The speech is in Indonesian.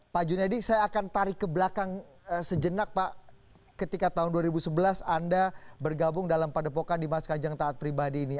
pak junedi saya akan tarik ke belakang sejenak pak ketika tahun dua ribu sebelas anda bergabung dalam padepokan di mas kanjeng taat pribadi ini